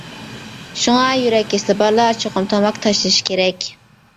شۇڭا يۈرەك كېسىلى بارلار چوقۇم تاماكا تاشلىشى كېرەك.